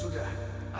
kau menantangku ya